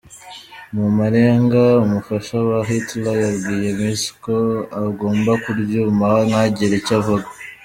Mu marenga, umufasha wa Hitler yabwiye Misch ko agomba kuryumaho ntagire icyo avuga.